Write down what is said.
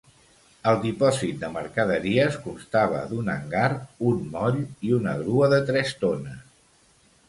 El dipòsit de mercaderies constava d'un hangar, un moll i una grua de tres tones.